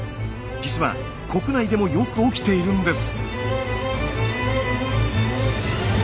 実は国内でもよく起きているんです。